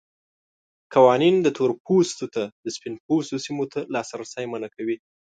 قوانین تور پوستو ته د سپین پوستو سیمو ته لاسرسی منع کوي.